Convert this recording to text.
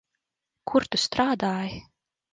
Kur tu strādāji?